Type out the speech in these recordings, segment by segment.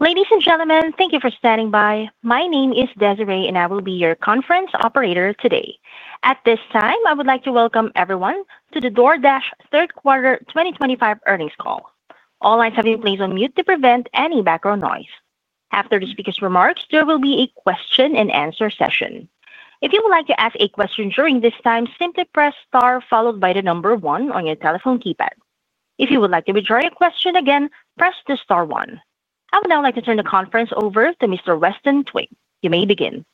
Ladies and gentlemen, thank you for standing by. My name is Desiree, and I will be your conference operator today. At this time, I would like to welcome everyone to the DoorDash Third Quarter 2025 earnings call. All lines have been placed on mute to prevent any background noise. After the speaker's remarks, there will be a question-and-answer session. If you would like to ask a question during this time, simply press star followed by the number one on your telephone keypad. If you would like to withdraw your question again, press the star one. I would now like to turn the conference over to Mr. Weston Twigg. You may begin.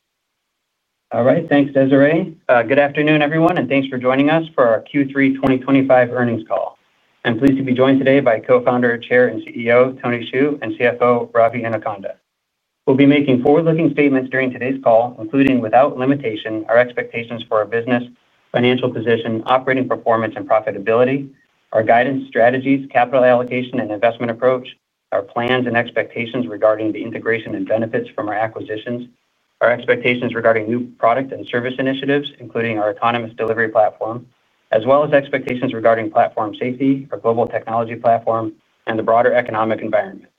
All right, thanks, Desiree. Good afternoon, everyone, and thanks for joining us for our Q3 2025 earnings call. I'm pleased to be joined today by Co-founder, Chair, and CEO Tony Xu, and CFO Ravi Inukonda. We'll be making forward-looking statements during today's call, including, without limitation, our expectations for our business, financial position, operating performance, and profitability, our guidance, strategies, capital allocation, and investment approach, our plans and expectations regarding the integration and benefits from our acquisitions, our expectations regarding new product and service initiatives, including our autonomous delivery platform, as well as expectations regarding platform safety, our global technology platform, and the broader economic environment.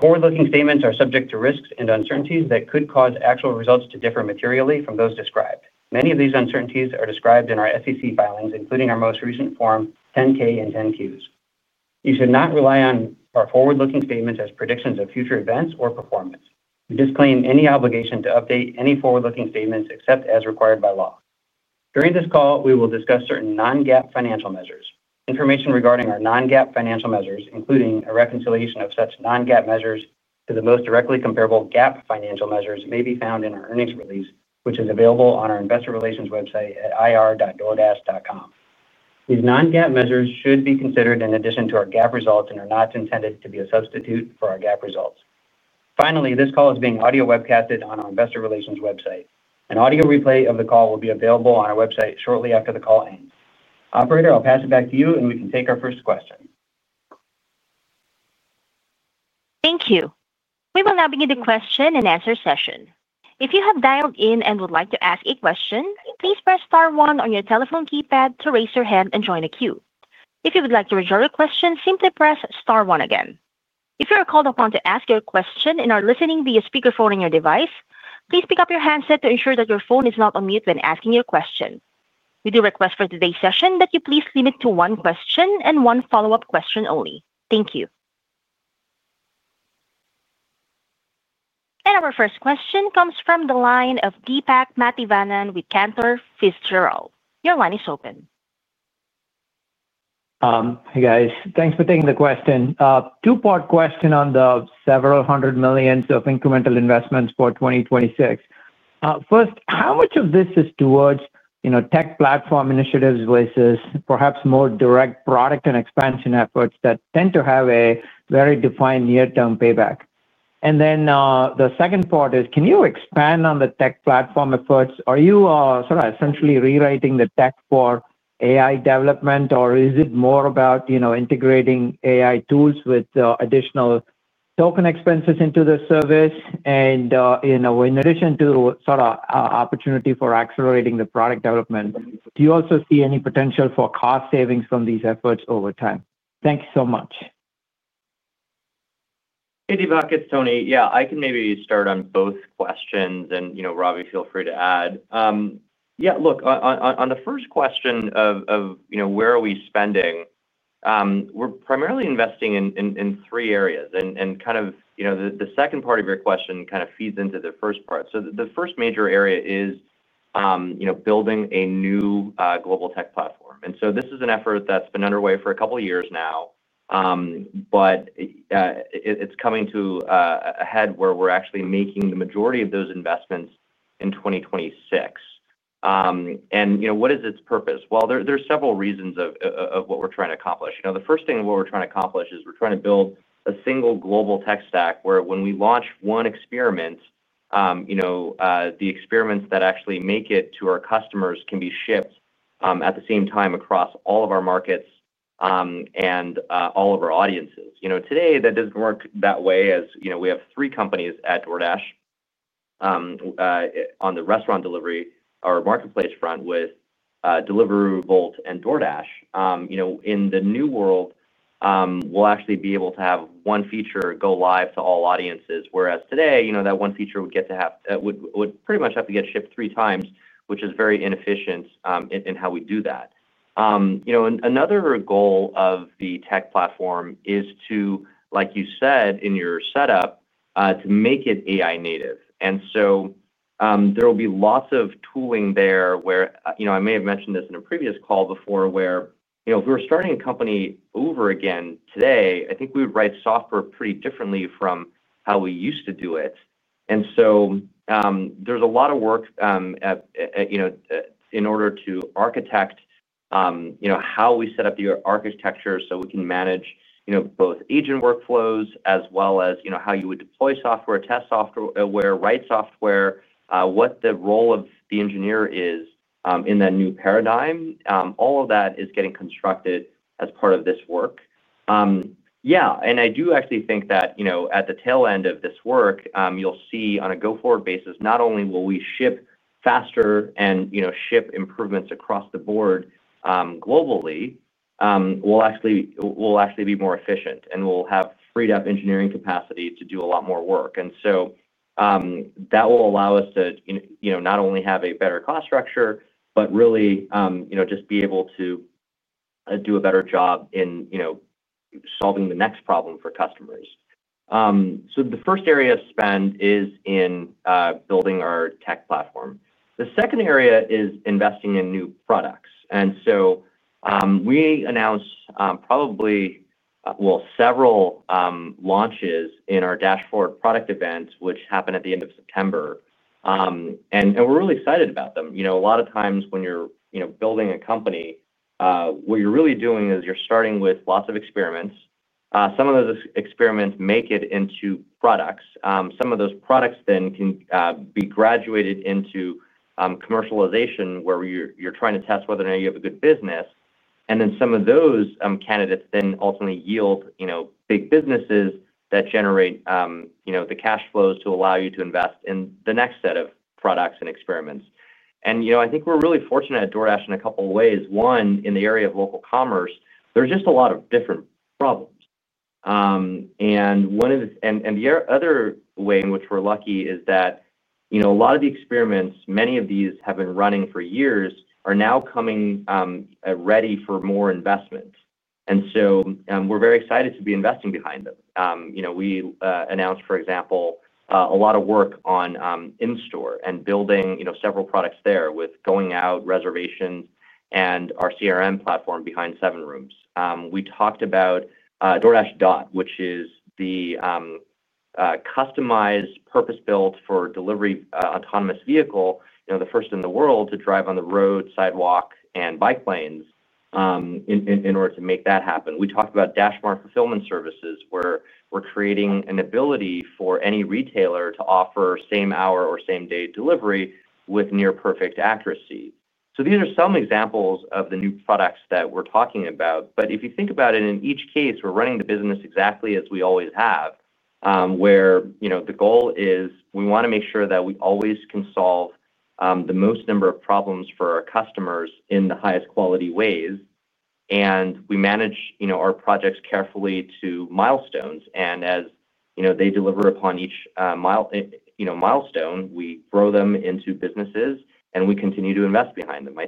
Forward-looking statements are subject to risks and uncertainties that could cause actual results to differ materially from those described. Many of these uncertainties are described in our SEC filings, including our most recent Form 10-K and 10-Qs. You should not rely on our forward-looking statements as predictions of future events or performance. We disclaim any obligation to update any forward-looking statements except as required by law. During this call, we will discuss certain non-GAAP financial measures. Information regarding our non-GAAP financial measures, including a reconciliation of such non-GAAP measures to the most directly comparable GAAP financial measures, may be found in our earnings release, which is available on our investor relations website at ir.doordash.com. These non-GAAP measures should be considered in addition to our GAAP results and are not intended to be a substitute for our GAAP results. Finally, this call is being audio webcasted on our investor relations website. An audio replay of the call will be available on our website shortly after the call ends. Operator, I'll pass it back to you, and we can take our first question. Thank you. We will now begin the Question and Answer session. If you have dialed in and would like to ask a question, please press star one on your telephone keypad to raise your hand and join a queue. If you would like to withdraw your question, simply press star one again. If you are called upon to ask your question and are listening via speakerphone on your device, please pick up your handset to ensure that your phone is not on mute when asking your question. We do request for today's session that you please limit to one question and one follow-up question only. Thank you. Our first question comes from the line of Deepak Mathivanan with Cantor Fitzgerald. Your line is open. Hey, guys. Thanks for taking the question. Two-part question on the several hundred millions of incremental investments for 2026. First, how much of this is towards tech platform initiatives versus perhaps more direct product and expansion efforts that tend to have a very defined near-term payback? The second part is, can you expand on the tech platform efforts? Are you sort of essentially rewriting the tech for AI development, or is it more about integrating AI tools with additional token expenses into the service? In addition to sort of opportunity for accelerating the product development, do you also see any potential for cost savings from these efforts over time? Thank you so much. Hey, Deepak. It's Tony. Yeah, I can maybe start on both questions, and Ravi, feel free to add. Yeah, look, on the first question of where are we spending. We're primarily investing in three areas. And kind of the second part of your question kind of feeds into the first part. The first major area is building a new global tech platform. This is an effort that's been underway for a couple of years now. It's coming to a head where we're actually making the majority of those investments in 2026. What is its purpose? There are several reasons for what we're trying to accomplish. The first thing we're trying to accomplish is building a single global tech stack where when we launch one experiment. The experiments that actually make it to our customers can be shipped at the same time across all of our markets and all of our audiences. Today, that does not work that way as we have three companies at DoorDash. On the restaurant delivery or marketplace front with Deliveroo, Wolt, and DoorDash. In the new world, we will actually be able to have one feature go live to all audiences, whereas today that one feature would pretty much have to get shipped three times, which is very inefficient in how we do that. Another goal of the tech platform is to, like you said in your setup, to make it AI native. And so. There will be lots of tooling there where I may have mentioned this in a previous call before where if we were starting a company over again today, I think we would write software pretty differently from how we used to do it. There is a lot of work in order to architect how we set up the architecture so we can manage both agent workflows as well as how you would deploy software, test software, write software, what the role of the engineer is in that new paradigm. All of that is getting constructed as part of this work. Yeah, and I do actually think that at the tail end of this work, you'll see on a go-forward basis, not only will we ship faster and ship improvements across the board globally. We'll actually be more efficient and we'll have freed up engineering capacity to do a lot more work. That will allow us to not only have a better cost structure, but really just be able to do a better job in solving the next problem for customers. The first area of spend is in building our tech platform. The second area is investing in new products. We announced probably, well, several launches in our dashboard product events, which happened at the end of September, and we're really excited about them. A lot of times when you're building a company, what you're really doing is you're starting with lots of experiments. Some of those experiments make it into products. Some of those products then can be graduated into commercialization where you're trying to test whether or not you have a good business. Some of those candidates then ultimately yield big businesses that generate the cash flows to allow you to invest in the next set of products and experiments. I think we're really fortunate at DoorDash in a couple of ways. One, in the area of local commerce, there's just a lot of different problems. The other way in which we're lucky is that a lot of the experiments, many of these have been running for years, are now coming ready for more investment. We are very excited to be investing behind them. We announced, for example, a lot of work on in-store and building several products there with Going Out reservations and our CRM platform behind Seven Rooms. We talked about DoorDash Dot, which is the customized purpose-built for delivery autonomous vehicle, the first in the world to drive on the road, sidewalk, and bike lanes. In order to make that happen. We talked about DashMart fulfillment services where we're creating an ability for any retailer to offer same-hour or same-day delivery with near-perfect accuracy. These are some examples of the new products that we're talking about. If you think about it, in each case, we're running the business exactly as we always have, where the goal is we want to make sure that we always can solve the most number of problems for our customers in the highest quality ways. We manage our projects carefully to milestones. As they deliver upon each milestone, we grow them into businesses and we continue to invest behind them. I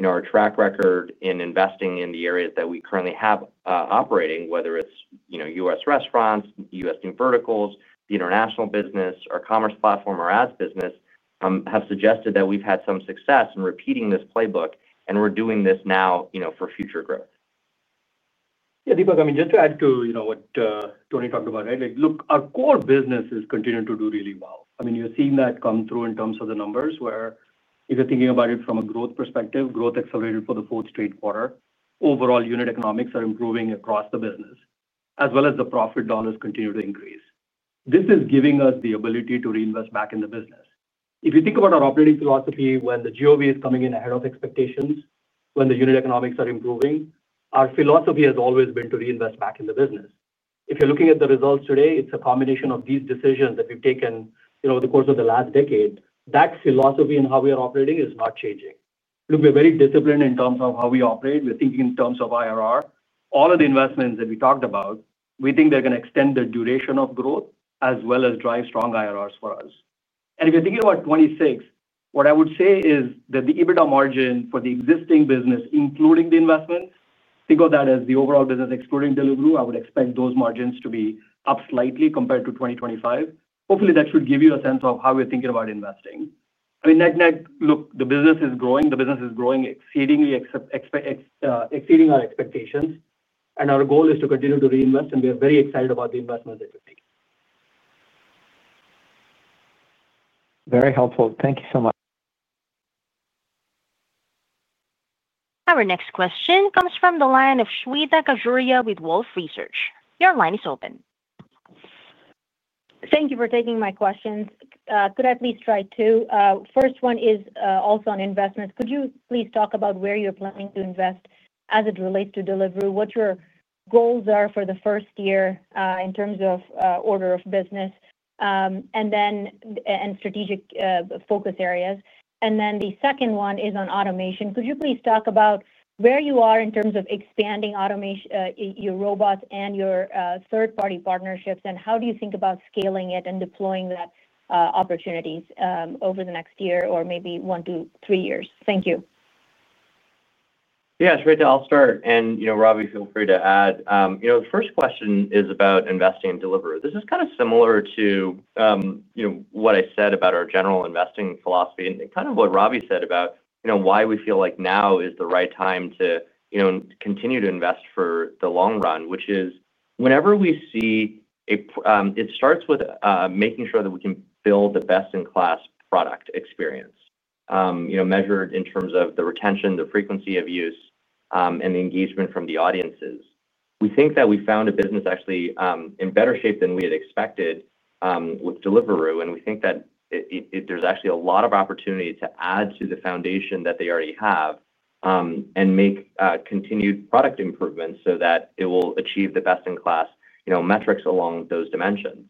think our track record in investing in the areas that we currently have operating, whether it's US restaurants, US new verticals, the international business, our commerce platform, or ads business. Have suggested that we've had some success in repeating this playbook, and we're doing this now for future growth. Yeah, Deepak, I mean, just to add to what Tony talked about, right? Look, our core business is continuing to do really well. I mean, you're seeing that come through in terms of the numbers where if you're thinking about it from a growth perspective, growth accelerated for the fourth straight quarter. Overall, unit economics are improving across the business, as well as the profit dollars continue to increase. This is giving us the ability to reinvest back in the business. If you think about our operating philosophy when the GOV is coming in ahead of expectations, when the unit economics are improving, our philosophy has always been to reinvest back in the business. If you're looking at the results today, it's a combination of these decisions that we've taken over the course of the last decade. That philosophy and how we are operating is not changing. Look, we're very disciplined in terms of how we operate. We're thinking in terms of IRR. All of the investments that we talked about, we think they're going to extend the duration of growth as well as drive strong IRRs for us. If you're thinking about 2026, what I would say is that the EBITDA margin for the existing business, including the investments, think of that as the overall business excluding Deliveroo, I would expect those margins to be up slightly compared to 2025. Hopefully, that should give you a sense of how we're thinking about investing. I mean, look, the business is growing. The business is growing exceedingly. Exceeding our expectations. Our goal is to continue to reinvest, and we are very excited about the investments that we're making. Very helpful. Thank you so much. Our next question comes from the line of Shweta Khajuria with Wolfe Research. Your line is open. Thank you for taking my questions. Could I please try two? First one is also on investments. Could you please talk about where you're planning to invest as it relates to Deliveroo, what your goals are for the first year in terms of order of business and strategic focus areas? The second one is on automation. Could you please talk about where you are in terms of expanding your robots and your third-party partnerships, and how do you think about scaling it and deploying that opportunities over the next year or maybe one, two, three years? Thank you. Yeah, Shweta, I'll start. Ravi, feel free to add. The first question is about investing in Deliveroo. This is kind of similar to what I said about our general investing philosophy and kind of what Ravi said about why we feel like now is the right time to continue to invest for the long run, which is whenever we see. It starts with making sure that we can build the best-in-class product experience, measured in terms of the retention, the frequency of use, and the engagement from the audiences. We think that we found a business actually in better shape than we had expected with Deliveroo, and we think that there's actually a lot of opportunity to add to the foundation that they already have and make continued product improvements so that it will achieve the best-in-class metrics along those dimensions.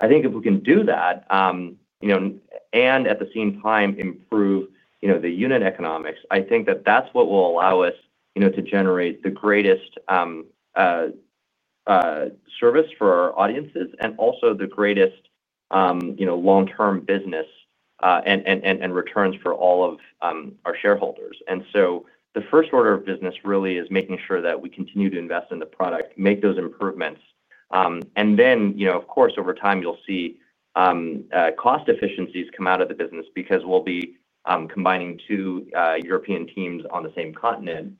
I think if we can do that. At the same time, improve the unit economics. I think that that's what will allow us to generate the greatest service for our audiences and also the greatest long-term business and returns for all of our shareholders. The first order of business really is making sure that we continue to invest in the product, make those improvements. Of course, over time, you'll see cost efficiencies come out of the business because we'll be combining two European teams on the same continent.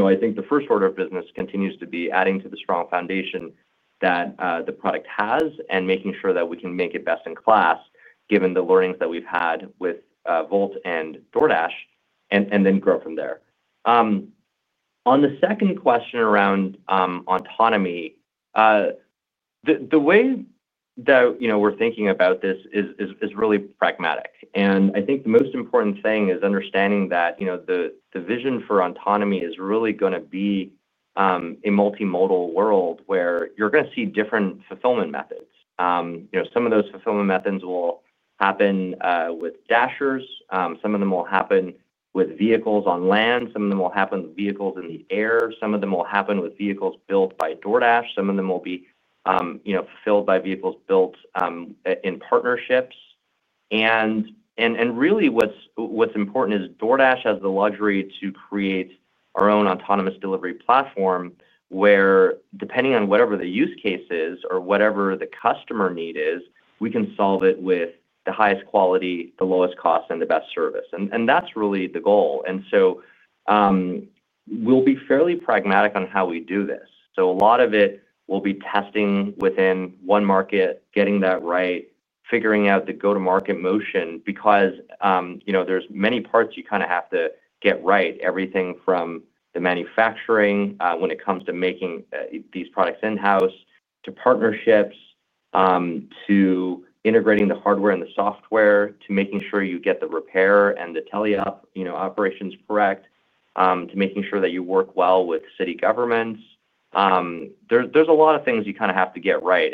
I think the first order of business continues to be adding to the strong foundation that the product has and making sure that we can make it best in class given the learnings that we've had with Wolt and DoorDash and then grow from there. On the second question around autonomy, the way that we're thinking about this is really pragmatic. I think the most important thing is understanding that. The vision for autonomy is really going to be a multimodal world where you're going to see different fulfillment methods. Some of those fulfillment methods will happen with Dashers. Some of them will happen with vehicles on land. Some of them will happen with vehicles in the air. Some of them will happen with vehicles built by DoorDash. Some of them will be fulfilled by vehicles built in partnerships. Really, what's important is DoorDash has the luxury to create our own autonomous delivery platform. Where, depending on whatever the use case is or whatever the customer need is, we can solve it with the highest quality, the lowest cost, and the best service. That's really the goal. We'll be fairly pragmatic on how we do this. A lot of it will be testing within one market, getting that right, figuring out the go-to-market motion because there's many parts you kind of have to get right, everything from the manufacturing when it comes to making these products in-house to partnerships, to integrating the hardware and the software, to making sure you get the repair and the tally-up operations correct, to making sure that you work well with city governments. There's a lot of things you kind of have to get right.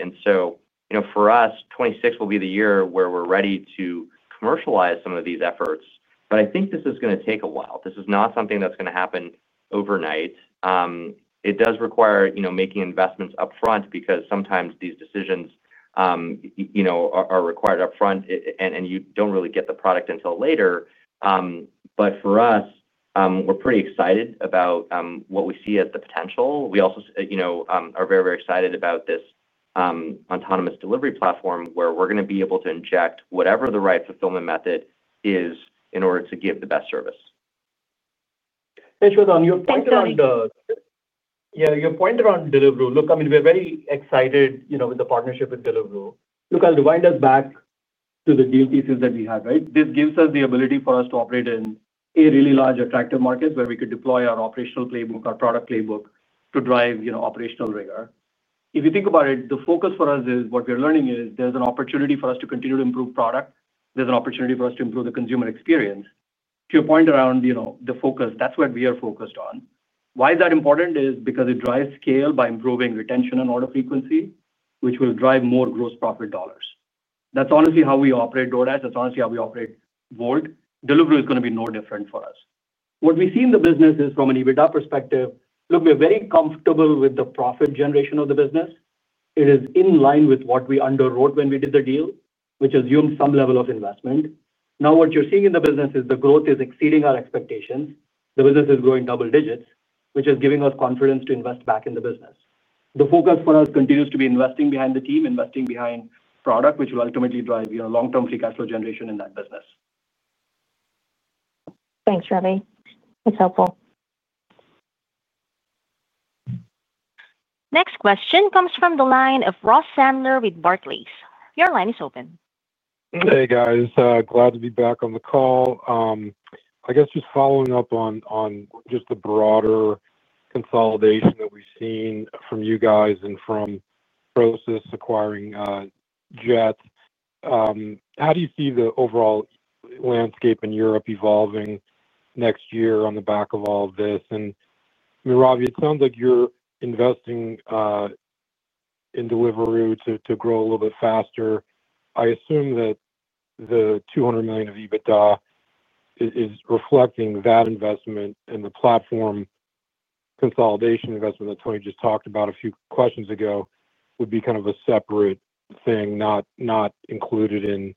For us, 2026 will be the year where we're ready to commercialize some of these efforts. I think this is going to take a while. This is not something that's going to happen overnight. It does require making investments upfront because sometimes these decisions are required upfront and you don't really get the product until later. For us. We're pretty excited about what we see as the potential. We also are very, very excited about this autonomous delivery platform where we're going to be able to inject whatever the right fulfillment method is in order to give the best service. Shweta, on your point around. Yeah, your point around Deliveroo, look, I mean, we're very excited with the partnership with Deliveroo. Look, I'll rewind us back to the GOTCs that we had, right? This gives us the ability for us to operate in a really large attractive market where we could deploy our operational playbook, our product playbook, to drive operational rigor. If you think about it, the focus for us is what we're learning is there's an opportunity for us to continue to improve product. There's an opportunity for us to improve the consumer experience. To your point around the focus, that's what we are focused on. Why is that important? It's because it drives scale by improving retention and order frequency, which will drive more gross profit dollars. That's honestly how we operate DoorDash. That's honestly how we operate Wolt. Deliveroo is going to be no different for us. What we see in the business is from an EBITDA perspective, look, we're very comfortable with the profit generation of the business. It is in line with what we underwrote when we did the deal, which assumed some level of investment. Now, what you're seeing in the business is the growth is exceeding our expectations. The business is growing double digits, which is giving us confidence to invest back in the business. The focus for us continues to be investing behind the team, investing behind product, which will ultimately drive long-term free cash flow generation in that business. Thanks, Ravi. That's helpful. Next question comes from the line of Ross Sandler with Barclays. Your line is open. Hey, guys. Glad to be back on the call. I guess just following up on just the broader consolidation that we've seen from you guys and from Prosus acquiring Jet. How do you see the overall landscape in Europe evolving next year on the back of all of this? Ravi, it sounds like you're investing in Deliveroo to grow a little bit faster. I assume that the $200 million of EBITDA is reflecting that investment and the platform consolidation investment that Tony just talked about a few questions ago would be kind of a separate thing, not included in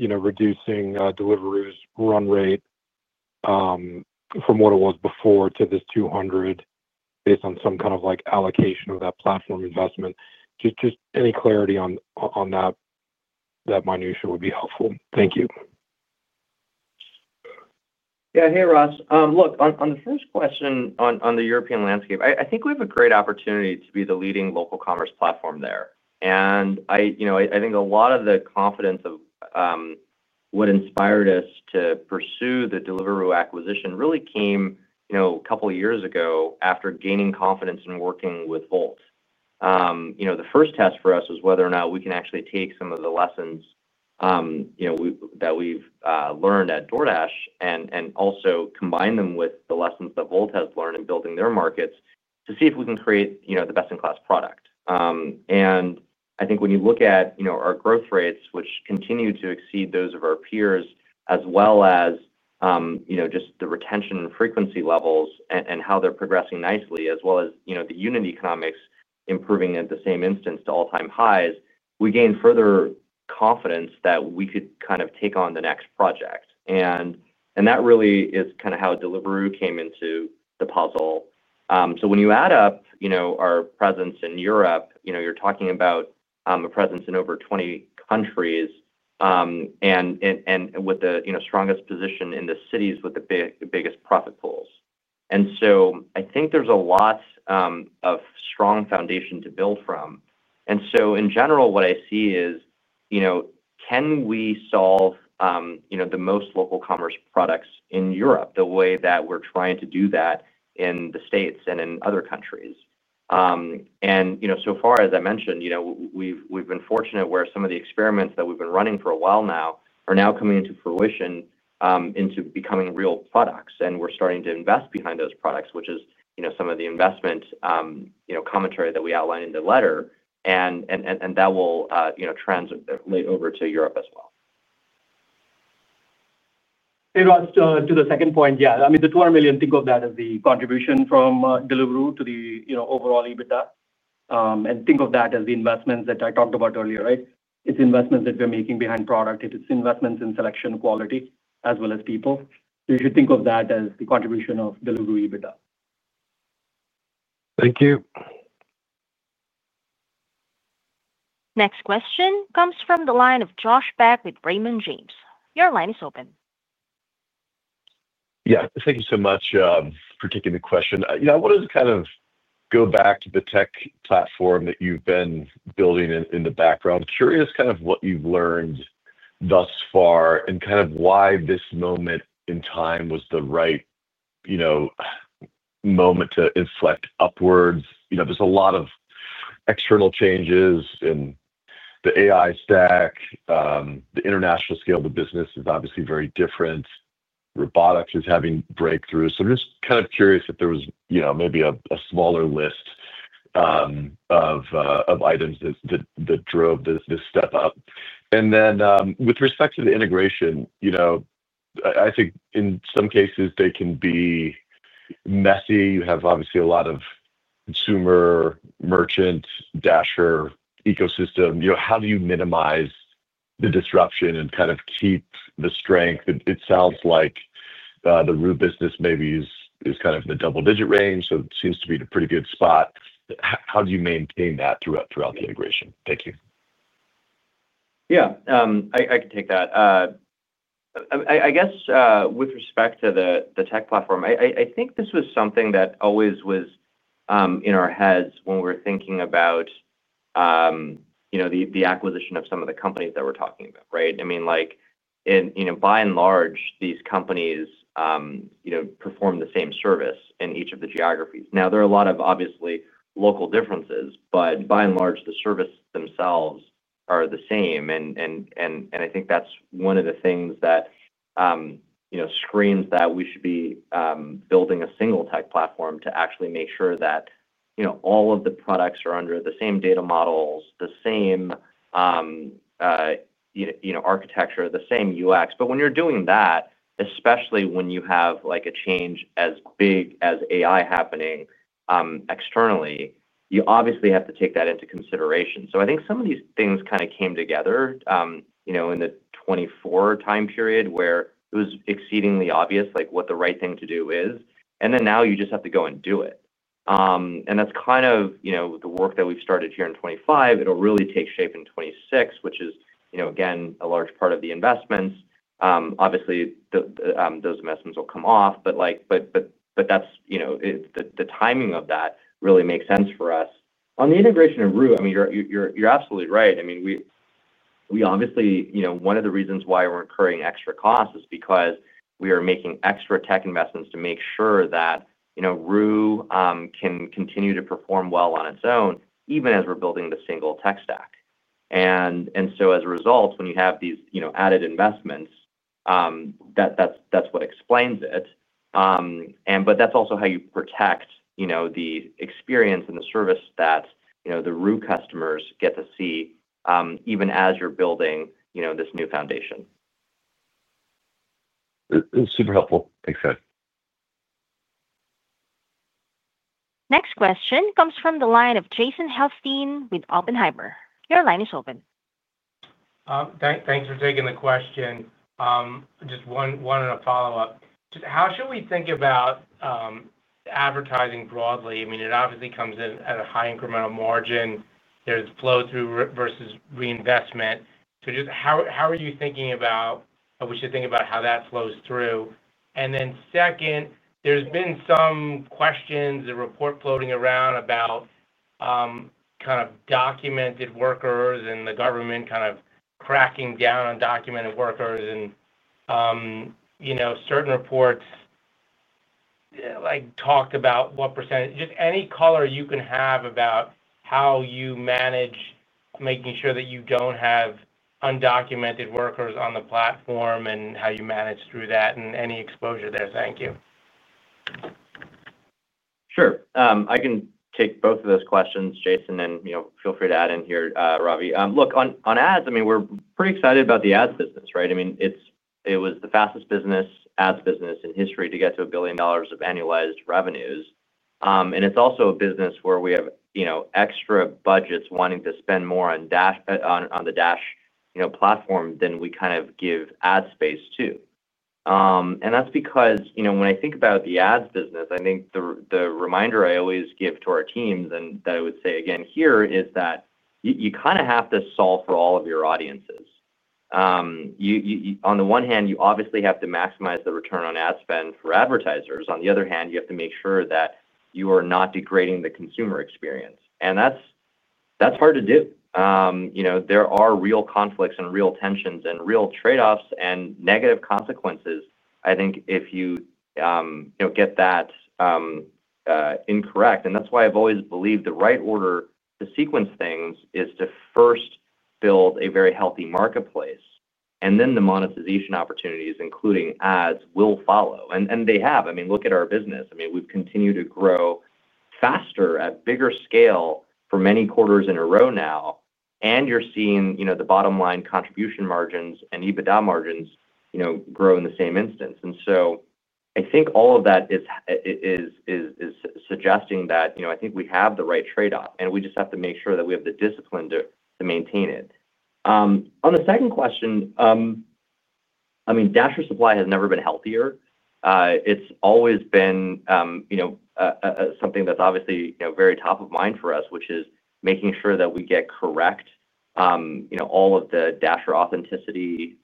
reducing Deliveroo's run rate from what it was before to this $200 million based on some kind of allocation of that platform investment. Just any clarity on that minutia would be helpful. Thank you. Yeah, hey, Ross. Look, on the first question on the European landscape, I think we have a great opportunity to be the leading local commerce platform there. I think a lot of the confidence of what inspired us to pursue the Deliveroo acquisition really came a couple of years ago after gaining confidence in working with Wolt. The first test for us was whether or not we can actually take some of the lessons that we've learned at DoorDash and also combine them with the lessons that Wolt has learned in building their markets to see if we can create the best-in-class product. I think when you look at our growth rates, which continue to exceed those of our peers, as well as. Just the retention and frequency levels and how they're progressing nicely, as well as the unit economics improving at the same instance to all-time highs, we gained further confidence that we could kind of take on the next project. That really is kind of how Deliveroo came into the puzzle. When you add up our presence in Europe, you're talking about a presence in over 20 countries, with the strongest position in the cities with the biggest profit pools. I think there's a lot of strong foundation to build from. In general, what I see is, can we solve the most local commerce products in Europe the way that we're trying to do that in the States and in other countries? As I mentioned, we've been fortunate where some of the experiments that we've been running for a while now are now coming into fruition, into becoming real products. We're starting to invest behind those products, which is some of the investment commentary that we outlined in the letter. That will translate over to Europe as well. Hey, Ross, to the second point, yeah. I mean, the $200 million, think of that as the contribution from Deliveroo to the overall EBITDA. And think of that as the investments that I talked about earlier, right? It's investments that we're making behind product. It's investments in selection quality as well as people. So you should think of that as the contribution of Deliveroo EBITDA. Thank you. Next question comes from the line of Josh Spector with Raymond James. Your line is open. Yeah. Thank you so much for taking the question. I wanted to kind of go back to the tech platform that you've been building in the background. Curious kind of what you've learned thus far and kind of why this moment in time was the right moment to inflect upwards. There's a lot of external changes in the AI stack. The international scale of the business is obviously very different. Robotics is having breakthroughs. I'm just kind of curious if there was maybe a smaller list of items that drove this step up. With respect to the integration, I think in some cases, they can be messy. You have obviously a lot of consumer, merchant, Dasher ecosystem. How do you minimize the disruption and kind of keep the strength? It sounds like the root business maybe is kind of in the double-digit range, so it seems to be in a pretty good spot. How do you maintain that throughout the integration? Thank you. Yeah. I can take that. I guess with respect to the tech platform, I think this was something that always was in our heads when we were thinking about the acquisition of some of the companies that we're talking about, right? I mean, by and large, these companies perform the same service in each of the geographies. Now, there are a lot of obviously local differences, but by and large, the services themselves are the same. I think that's one of the things that screams that we should be building a single tech platform to actually make sure that all of the products are under the same data models, the same architecture, the same UX. When you're doing that, especially when you have a change as big as AI happening externally, you obviously have to take that into consideration. I think some of these things kind of came together in the 2024 time period where it was exceedingly obvious what the right thing to do is. Now you just have to go and do it. That is kind of the work that we have started here in 2025. It will really take shape in 2026, which is, again, a large part of the investments. Obviously, those investments will come off, but that is the timing of that, and it really makes sense for us. On the integration of Wolt, you are absolutely right. We obviously, one of the reasons why we are incurring extra costs is because we are making extra tech investments to make sure that Wolt can continue to perform well on its own even as we are building the single tech stack. As a result, when you have these added investments, that is what explains it. That is also how you protect the experience and the service that the Deliveroo customers get to see even as you're building this new foundation. Super helpful. Thanks, guys. Next question comes from the line of Jason Helfstein with Oppenheimer. Your line is open. Thanks for taking the question. Just one and a follow-up. Just how should we think about advertising broadly? I mean, it obviously comes in at a high incremental margin. There is flow-through versus reinvestment. Just how are you thinking about what you think about how that flows through? Then second, there have been some questions and reports floating around about kind of documented workers and the government kind of cracking down on documented workers. Certain reports talked about what percentage, just any color you can have about how you manage making sure that you do not have undocumented workers on the platform and how you manage through that and any exposure there. Thank you. Sure. I can take both of those questions, Jason, and feel free to add in here, Ravi. Look, on ads, I mean, we're pretty excited about the ads business, right? I mean, it was the fastest ads business in history to get to a billion dollars of annualized revenues. And it's also a business where we have extra budgets wanting to spend more on the Dash platform than we kind of give ad space to. That's because when I think about the ads business, I think the reminder I always give to our teams and that I would say again here is that you kind of have to solve for all of your audiences. On the one hand, you obviously have to maximize the return on ad spend for advertisers. On the other hand, you have to make sure that you are not degrading the consumer experience. That is hard to do. There are real conflicts and real tensions and real trade-offs and negative consequences, I think, if you get that incorrect. That is why I have always believed the right order to sequence things is to first build a very healthy marketplace, and then the monetization opportunities, including ads, will follow. They have. I mean, look at our business. I mean, we have continued to grow faster at bigger scale for many quarters in a row now. You are seeing the bottom line contribution margins and EBITDA margins grow in the same instance. I think all of that is suggesting that I think we have the right trade-off, and we just have to make sure that we have the discipline to maintain it. On the second question, I mean, Dasher supply has never been healthier. It has always been. Something that's obviously very top of mind for us, which is making sure that we get correct. All of the Dasher authenticity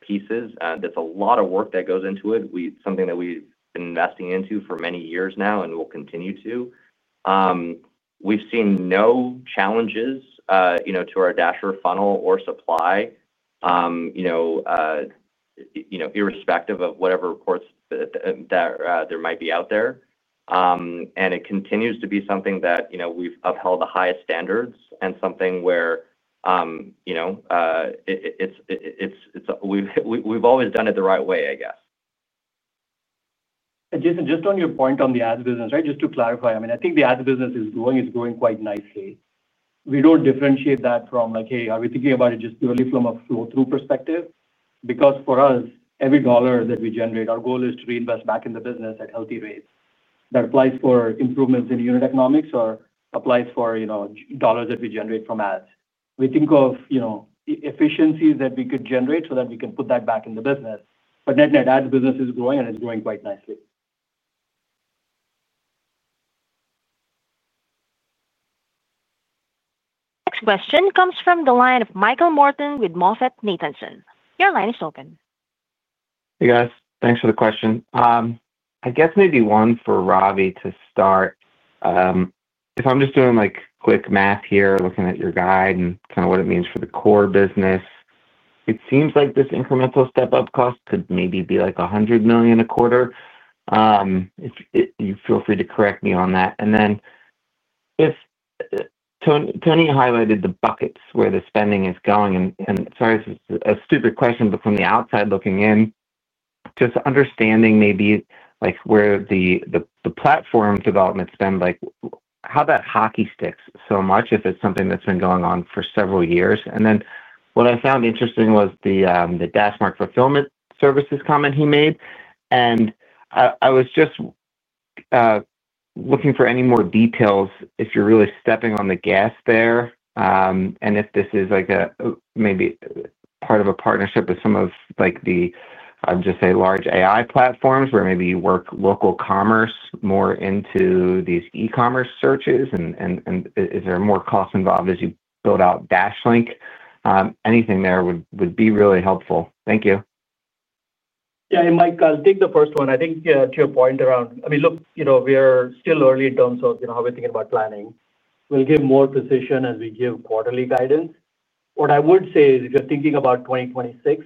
pieces. That's a lot of work that goes into it, something that we've been investing into for many years now and will continue to. We've seen no challenges to our Dasher funnel or supply, irrespective of whatever reports that there might be out there. It continues to be something that we've upheld the highest standards and something where we've always done it the right way, I guess. Jason, just on your point on the ads business, right, just to clarify, I mean, I think the ads business is growing quite nicely. We do not differentiate that from like, "Hey, are we thinking about it just purely from a flow-through perspective?" Because for us, every dollar that we generate, our goal is to reinvest back in the business at healthy rates. That applies for improvements in unit economics or applies for dollars that we generate from ads. We think of efficiencies that we could generate so that we can put that back in the business. Net net, ads business is growing, and it is growing quite nicely. Next question comes from the line of Michael Morton with Moffett Nathanson. Your line is open. Hey, guys. Thanks for the question. I guess maybe one for Ravi to start. If I'm just doing quick math here, looking at your guide and kind of what it means for the core business. It seems like this incremental step-up cost could maybe be like $100 million a quarter. Feel free to correct me on that. Tony, you highlighted the buckets where the spending is going. Sorry, this is a stupid question, but from the outside looking in. Just understanding maybe where the platform development spend, how that hockey sticks so much if it's something that's been going on for several years. What I found interesting was the DashMart fulfillment services comment you made. I was just looking for any more details if you're really stepping on the gas there. If this is maybe part of a partnership with some of the, I'll just say, large AI platforms where maybe you work local commerce more into these e-commerce searches, and is there more cost involved as you build out DashLink? Anything there would be really helpful. Thank you. Yeah. Michael, I'll take the first one. I think to your point around, I mean, look, we are still early in terms of how we're thinking about planning. We'll give more precision as we give quarterly guidance. What I would say is if you're thinking about 2026,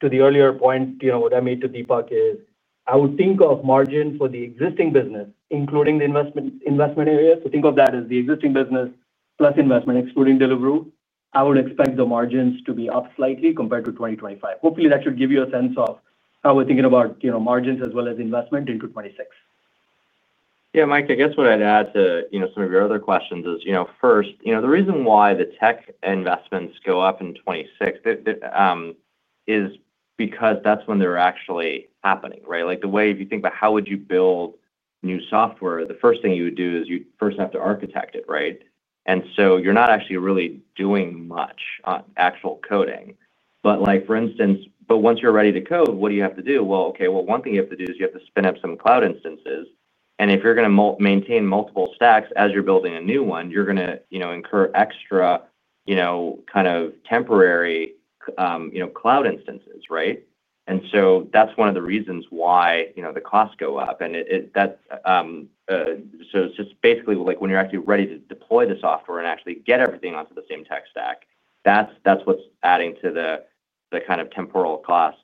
to the earlier point, what I made to Deepak is I would think of margin for the existing business, including the investment area. Think of that as the existing business plus investment, excluding Deliveroo. I would expect the margins to be up slightly compared to 2025. Hopefully, that should give you a sense of how we're thinking about margins as well as investment into 2026. Yeah, Michael, I guess what I'd add to some of your other questions is first, the reason why the tech investments go up in 2026 is because that's when they're actually happening, right? The way if you think about how would you build new software, the first thing you would do is you'd first have to architect it, right? And so you're not actually really doing much on actual coding. For instance, once you're ready to code, what do you have to do? Okay, well, one thing you have to do is you have to spin up some cloud instances. If you're going to maintain multiple stacks as you're building a new one, you're going to incur extra, kind of temporary, cloud instances, right? That's one of the reasons why the costs go up. It is just basically when you are actually ready to deploy the software and actually get everything onto the same tech stack, that is what is adding to the kind of temporal costs.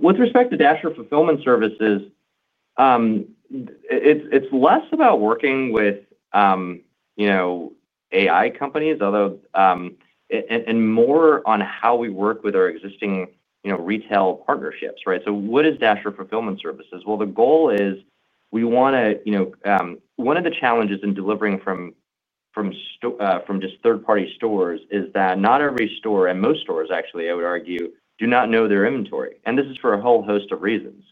With respect to Dasher fulfillment services, it is less about working with AI companies, although, and more on how we work with our existing retail partnerships, right? What is Dasher fulfillment services? The goal is we want to. One of the challenges in delivering from just third-party stores is that not every store, and most stores, actually, I would argue, do not know their inventory. This is for a whole host of reasons.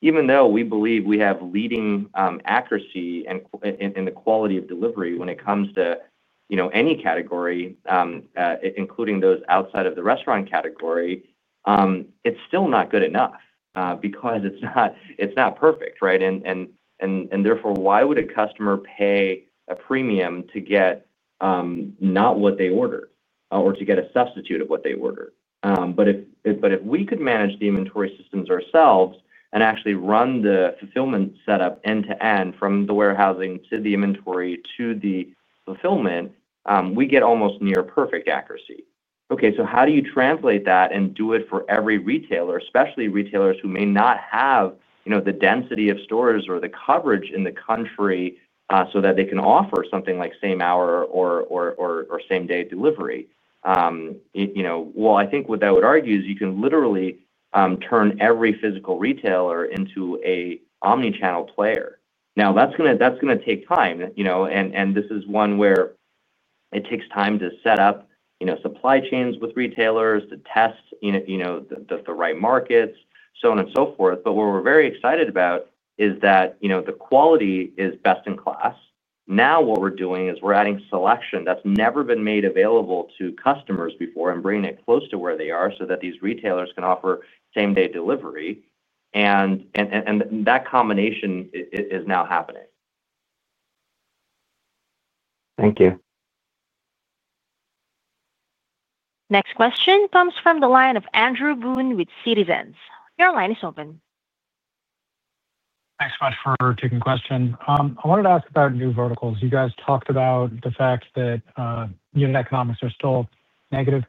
Even though we believe we have leading accuracy in the quality of delivery when it comes to any category, including those outside of the restaurant category, it is still not good enough because it is not perfect, right? Therefore, why would a customer pay a premium to get not what they ordered or to get a substitute of what they ordered? If we could manage the inventory systems ourselves and actually run the fulfillment setup end to end from the warehousing to the inventory to the fulfillment, we get almost near perfect accuracy. How do you translate that and do it for every retailer, especially retailers who may not have the density of stores or the coverage in the country so that they can offer something like same-hour or same-day delivery? I think what I would argue is you can literally turn every physical retailer into an omnichannel player. That is going to take time. This is one where it takes time to set up supply chains with retailers, to test the right markets, so on and so forth. What we are very excited about is that the quality is best in class. Now what we are doing is we are adding selection that has never been made available to customers before and bringing it close to where they are so that these retailers can offer same-day delivery. That combination is now happening. Thank you. Next question comes from the line of Andrew Boone with Citizens. Your line is open. Thanks, Scott, for taking the question. I wanted to ask about new verticals. You guys talked about the fact that unit economics are still negative.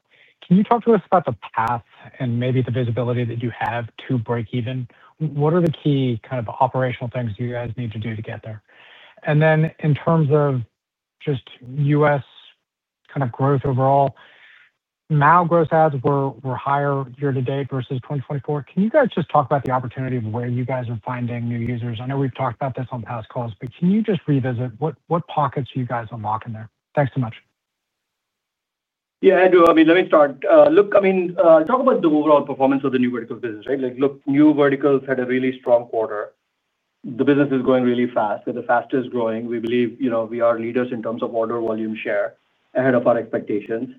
Can you talk to us about the path and maybe the visibility that you have to break even? What are the key kind of operational things you guys need to do to get there? In terms of just US kind of growth overall, now, gross ads were higher year to date versus 2024. Can you guys just talk about the opportunity of where you guys are finding new users? I know we've talked about this on past calls, but can you just revisit what pockets you guys are locking there? Thanks so much. Yeah, Andrew. I mean, let me start. Look, I mean, talk about the overall performance of the new vertical business, right? Look, new verticals had a really strong quarter. The business is growing really fast. We're the fastest growing. We believe we are leaders in terms of order volume share ahead of our expectations.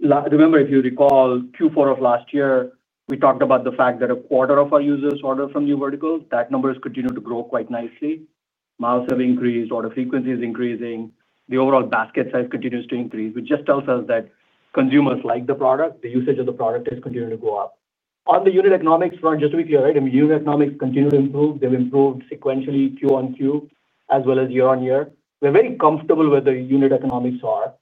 Remember, if you recall, Q4 of last year, we talked about the fact that a quarter of our users ordered from new verticals. That number has continued to grow quite nicely. Miles have increased. Order frequency is increasing. The overall basket size continues to increase, which just tells us that consumers like the product. The usage of the product has continued to go up. On the unit economics front, just to be clear, right? I mean, unit economics continue to improve. They've improved sequentially Q on Q as well as year on year. We're very comfortable with what the unit economics are.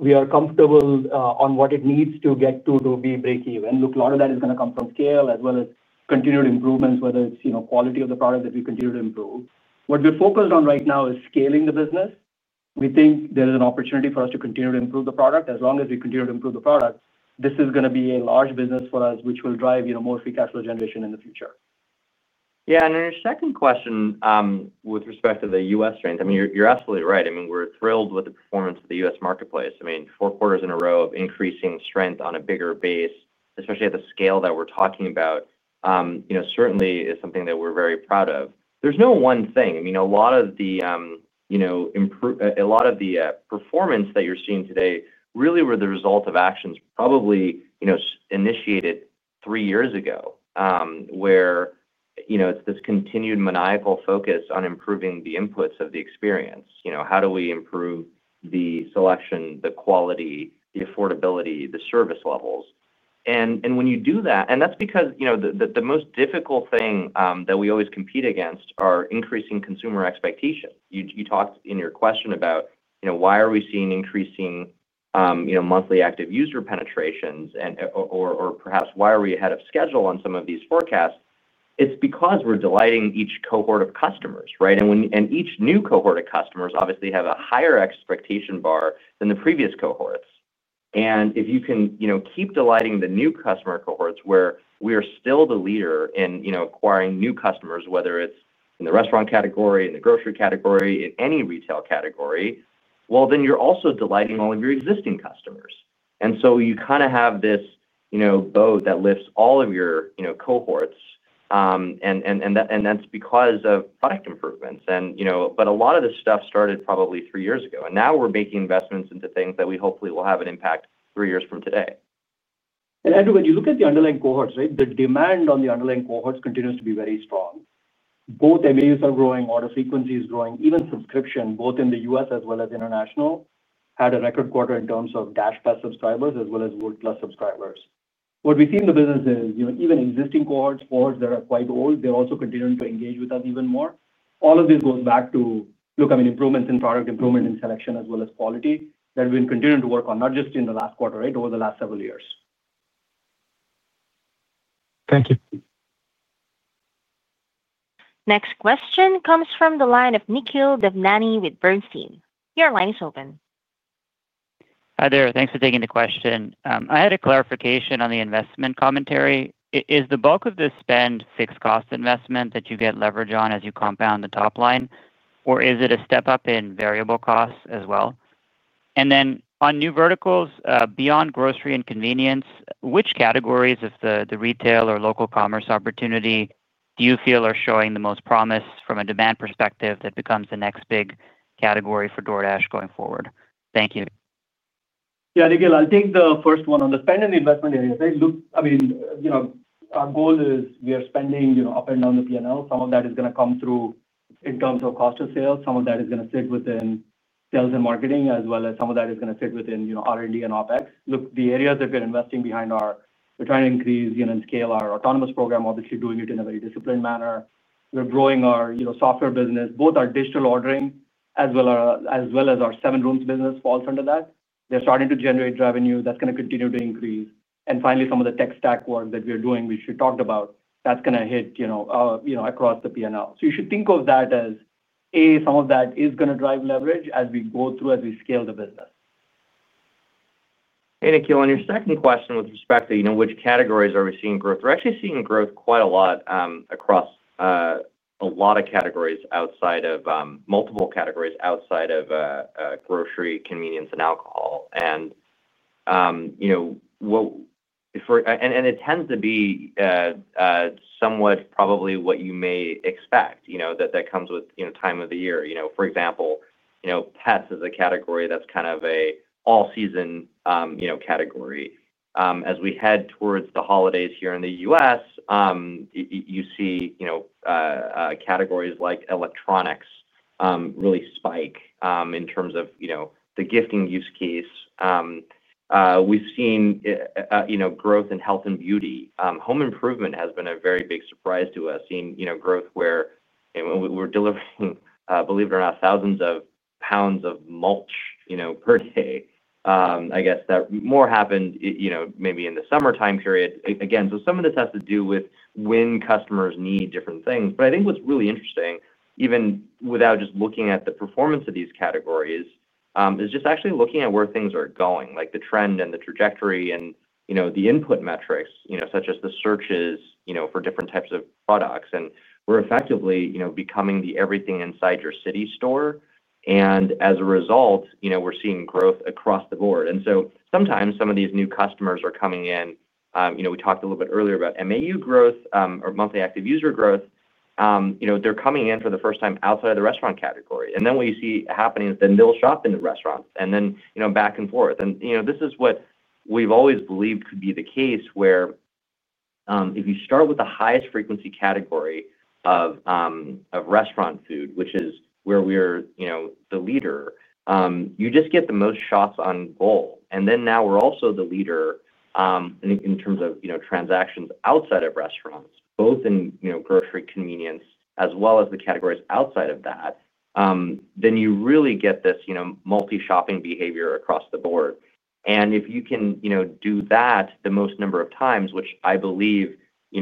We are comfortable on what it needs to get to be break even. Look, a lot of that is going to come from scale as well as continued improvements, whether it's quality of the product that we continue to improve. What we're focused on right now is scaling the business. We think there is an opportunity for us to continue to improve the product. As long as we continue to improve the product, this is going to be a large business for us, which will drive more free cash flow generation in the future. Yeah. Then your second question with respect to the U.S. strength, I mean, you're absolutely right. I mean, we're thrilled with the performance of the U.S. marketplace. I mean, four quarters in a row of increasing strength on a bigger base, especially at the scale that we're talking about. Certainly is something that we're very proud of. There's no one thing. I mean, a lot of the performance that you're seeing today really were the result of actions probably initiated three years ago. Where it's this continued maniacal focus on improving the inputs of the experience. How do we improve the selection, the quality, the affordability, the service levels? When you do that, and that's because the most difficult thing that we always compete against are increasing consumer expectations. You talked in your question about why are we seeing increasing. Monthly active user penetrations or perhaps why are we ahead of schedule on some of these forecasts? It's because we're delighting each cohort of customers, right? Each new cohort of customers obviously have a higher expectation bar than the previous cohorts. If you can keep delighting the new customer cohorts where we are still the leader in acquiring new customers, whether it's in the restaurant category, in the grocery category, in any retail category, you are also delighting all of your existing customers. You kind of have this boat that lifts all of your cohorts. That's because of product improvements. A lot of this stuff started probably three years ago. Now we're making investments into things that we hopefully will have an impact three years from today. Andrew, when you look at the underlying cohorts, right, the demand on the underlying cohorts continues to be very strong. Both MAUs are growing, order frequency is growing. Even subscription, both in the US as well as international, had a record quarter in terms of DashPass subscribers as well as Wolt+ subscribers. What we see in the business is even existing cohorts, cohorts that are quite old, they're also continuing to engage with us even more. All of this goes back to, look, I mean, improvements in product, improvement in selection as well as quality that we've been continuing to work on, not just in the last quarter, right, over the last several years. Thank you. Next question comes from the line of Nikhil Devnani with Bernstein. Your line is open. Hi there. Thanks for taking the question. I had a clarification on the investment commentary. Is the bulk of this spend fixed cost investment that you get leverage on as you compound the top line, or is it a step up in variable costs as well? On new verticals beyond grocery and convenience, which categories of the retail or local commerce opportunity do you feel are showing the most promise from a demand perspective that becomes the next big category for DoorDash going forward? Thank you. Yeah, Nikhil, I'll take the first one on the spend and investment areas. I mean, our goal is we are spending up and down the P&L. Some of that is going to come through in terms of cost of sale. Some of that is going to sit within sales and marketing, as well as some of that is going to sit within R&D and OpEx. Look, the areas that we're investing behind are we're trying to increase and scale our autonomous program, obviously doing it in a very disciplined manner. We're growing our software business, both our digital ordering as well as our Seven Rooms business falls under that. They're starting to generate revenue. That's going to continue to increase. Finally, some of the tech stack work that we're doing, which we talked about, that's going to hit across the P&L. You should think of that as, A, some of that is going to drive leverage as we go through, as we scale the business. Hey, Nikhil, on your second question with respect to which categories are we seeing growth? We're actually seeing growth quite a lot across a lot of categories outside of grocery, convenience, and alcohol. It tends to be somewhat probably what you may expect that comes with time of the year. For example, pets is a category that's kind of an all-season category. As we head towards the holidays here in the U.S., you see categories like electronics really spike in terms of the gifting use case. We've seen growth in health and beauty. Home improvement has been a very big surprise to us, seeing growth where we're delivering, believe it or not, thousands of pounds of mulch per day. I guess that more happened maybe in the summertime period. Again, some of this has to do with when customers need different things. I think what's really interesting, even without just looking at the performance of these categories, is just actually looking at where things are going, like the trend and the trajectory and the input metrics, such as the searches for different types of products. We're effectively becoming the everything inside your city store. As a result, we're seeing growth across the board. Sometimes some of these new customers are coming in. We talked a little bit earlier about MAU growth or monthly active user growth. They're coming in for the first time outside of the restaurant category. Then what you see happening is they'll shop in the restaurants and then back and forth. This is what we've always believed could be the case where, if you start with the highest frequency category of. Restaurant food, which is where we're the leader, you just get the most shots on goal. Now we're also the leader in terms of transactions outside of restaurants, both in grocery convenience as well as the categories outside of that. You really get this multi-shopping behavior across the board. If you can do that the most number of times, which I believe is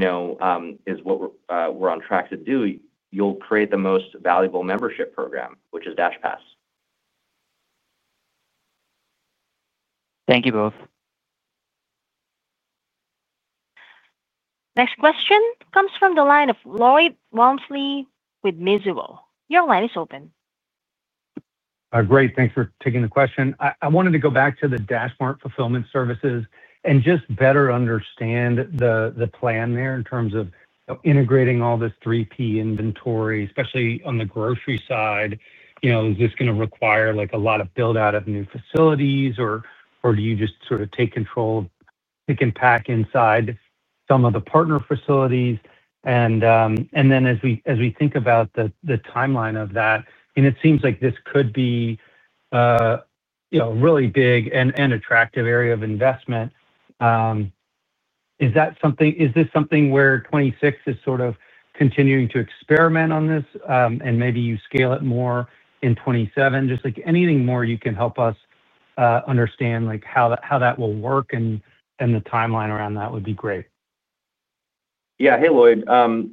what we're on track to do, you'll create the most valuable membership program, which is DashPass. Thank you both. Next question comes from the line of Lloyd Walmsley with Mizuho. Your line is open. Great. Thanks for taking the question. I wanted to go back to the DashMart fulfillment services and just better understand the plan there in terms of integrating all this 3P inventory, especially on the grocery side. Is this going to require a lot of build-out of new facilities, or do you just sort of take control, pick and pack inside some of the partner facilities? As we think about the timeline of that, it seems like this could be a really big and attractive area of investment. Is this something where 2026 is sort of continuing to experiment on this and maybe you scale it more in 2027? Just anything more you can help us understand how that will work and the timeline around that would be great. Yeah. Hey, Lloyd.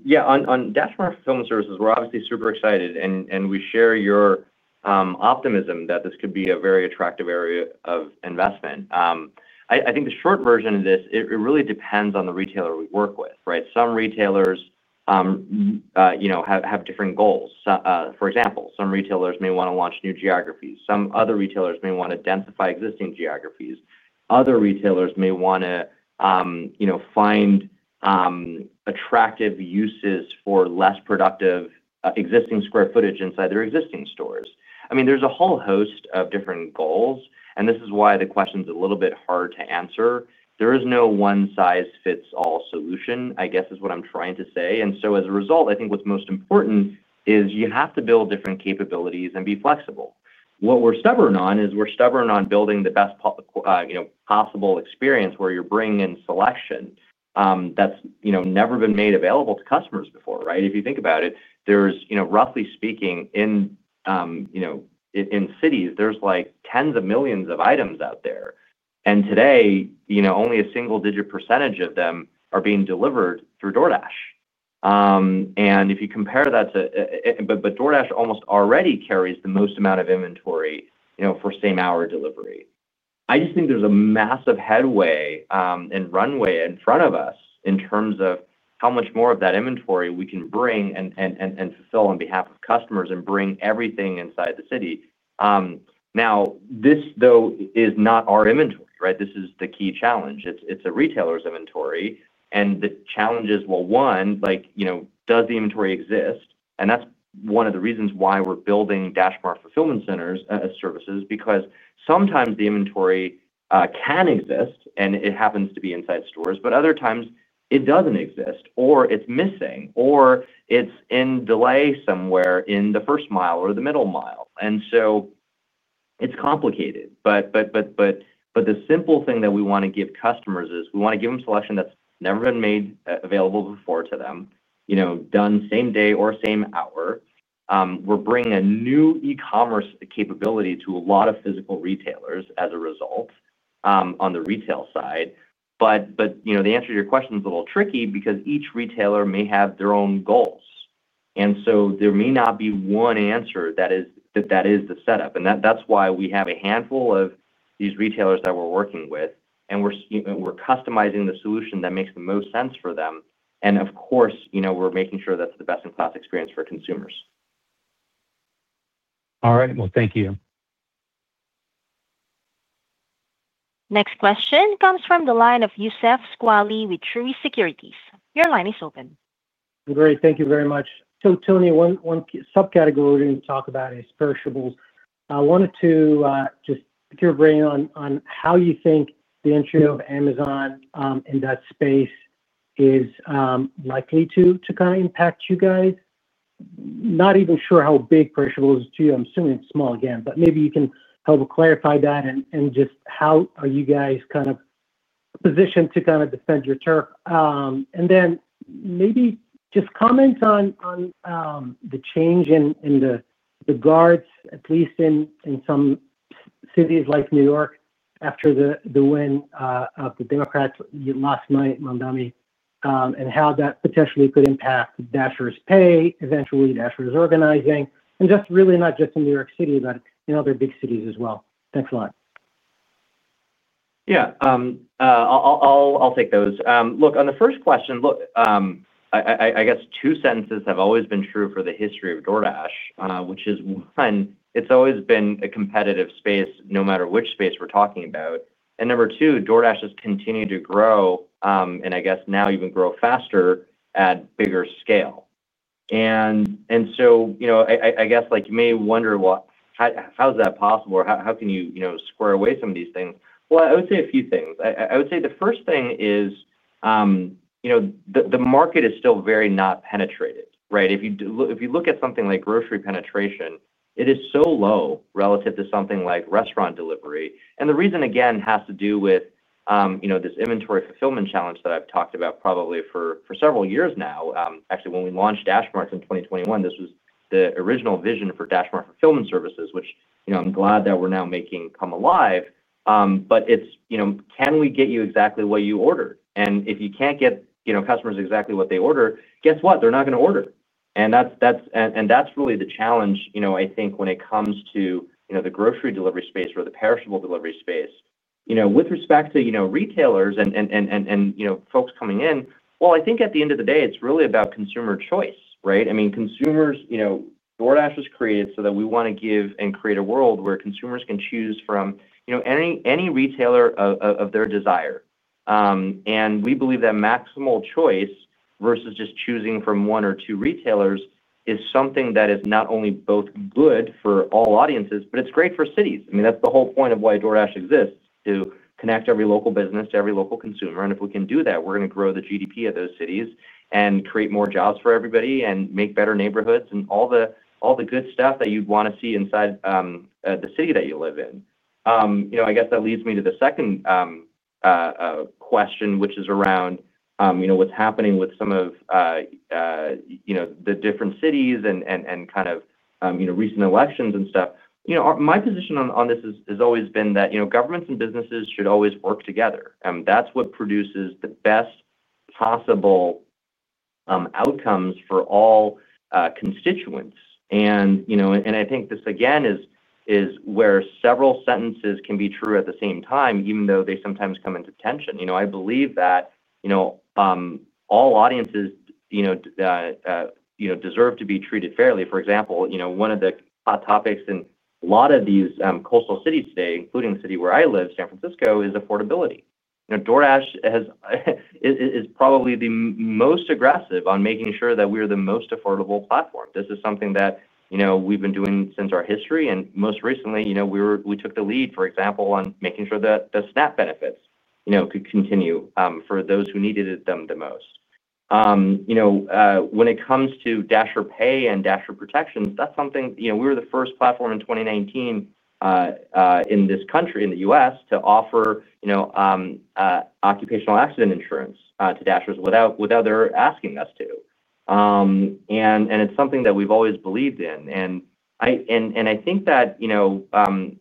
Yeah, on DashMart fulfillment services, we're obviously super excited, and we share your optimism that this could be a very attractive area of investment. I think the short version of this, it really depends on the retailer we work with, right? Some retailers have different goals. For example, some retailers may want to launch new geographies. Some other retailers may want to densify existing geographies. Other retailers may want to find attractive uses for less productive existing square footage inside their existing stores. I mean, there's a whole host of different goals, and this is why the question's a little bit hard to answer. There is no one-size-fits-all solution, I guess, is what I'm trying to say. As a result, I think what's most important is you have to build different capabilities and be flexible. What we're stubborn on is we're stubborn on building the best possible experience where you're bringing in selection that's never been made available to customers before, right? If you think about it, there's, roughly speaking, in cities, there's like tens of millions of items out there. And today, only a single-digit % of them are being delivered through DoorDash. If you compare that to, DoorDash almost already carries the most amount of inventory for same-hour delivery. I just think there's a massive headway and runway in front of us in terms of how much more of that inventory we can bring and fulfill on behalf of customers and bring everything inside the city. Now, this, though, is not our inventory, right? This is the key challenge. It's a retailer's inventory. And the challenge is, well, one, does the inventory exist? That's one of the reasons why we're building DashMart fulfillment centers as services because sometimes the inventory can exist, and it happens to be inside stores, but other times it doesn't exist, or it's missing, or it's in delay somewhere in the first mile or the middle mile. It's complicated. The simple thing that we want to give customers is we want to give them selection that's never been made available before to them, done same day or same hour. We're bringing a new e-commerce capability to a lot of physical retailers as a result. On the retail side, the answer to your question is a little tricky because each retailer may have their own goals. There may not be one answer that is the setup. We have a handful of these retailers that we're working with, and we're customizing the solution that makes the most sense for them. Of course, we're making sure that's the best-in-class experience for consumers. All right. Thank you. Next question comes from the line of Youssef Squali with Truist Securities. Your line is open. Great. Thank you very much. Tony, one subcategory we're going to talk about is perishables. I wanted to just pick your brain on how you think the entry of Amazon in that space is likely to kind of impact you guys. Not even sure how big perishables are to you. I'm assuming it's small, again, but maybe you can help clarify that and just how are you guys kind of positioned to kind of defend your turf. Maybe just comment on the change in the guards, at least in some cities like New York after the win of the Democrats last night, Mondomi, and how that potentially could impact Dashers Pay, eventually Dashers Organizing, and just really not just in New York City, but in other big cities as well. Thanks a lot. Yeah. I'll take those. Look, on the first question. I guess two sentences have always been true for the history of DoorDash, which is one, it's always been a competitive space no matter which space we're talking about. Number two, DoorDash has continued to grow, and I guess now even grow faster at bigger scale. I guess you may wonder, how is that possible? How can you square away some of these things? I would say a few things. I would say the first thing is, the market is still very not penetrated, right? If you look at something like grocery penetration, it is so low relative to something like restaurant delivery. The reason, again, has to do with this inventory fulfillment challenge that I've talked about probably for several years now. Actually, when we launched DashMart in 2021, this was the original vision for DashMart fulfillment services, which I'm glad that we're now making come alive. Can we get you exactly what you ordered? If you can't get customers exactly what they order, guess what? They're not going to order. That's really the challenge, I think, when it comes to the grocery delivery space or the perishable delivery space. With respect to retailers and folks coming in, I think at the end of the day, it's really about consumer choice, right? I mean, consumers, DoorDash was created so that we want to give and create a world where consumers can choose from any retailer of their desire. We believe that maximal choice versus just choosing from one or two retailers is something that is not only both good for all audiences, but it's great for cities. I mean, that's the whole point of why DoorDash exists, to connect every local business to every local consumer. If we can do that, we're going to grow the GDP of those cities and create more jobs for everybody and make better neighborhoods and all the good stuff that you'd want to see inside the city that you live in. I guess that leads me to the second question, which is around what's happening with some of the different cities and kind of recent elections and stuff. My position on this has always been that governments and businesses should always work together. That's what produces the best possible outcomes for all constituents. I think this, again, is. Where several sentences can be true at the same time, even though they sometimes come into tension. I believe that all audiences deserve to be treated fairly. For example, one of the hot topics in a lot of these coastal cities today, including the city where I live, San Francisco, is affordability. DoorDash is probably the most aggressive on making sure that we are the most affordable platform. This is something that we've been doing since our history. Most recently, we took the lead, for example, on making sure that the SNAP benefits could continue for those who needed them the most. When it comes to Dasher Pay and Dasher Protections, that's something we were the first platform in 2019 in this country, in the U.S., to offer. Occupational accident insurance to Dashers without their asking us to. It's something that we've always believed in. I think that.